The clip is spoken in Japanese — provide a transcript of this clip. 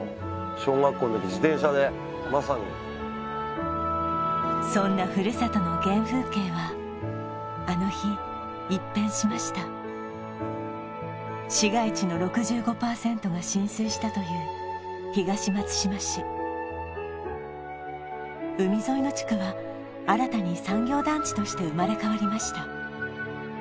小学校の時自転車でまさにそんなふるさとの原風景はあの日一変しました市街地の６５パーセントが浸水したという東松島市海沿いの地区は新たに産業団地として生まれ変わりました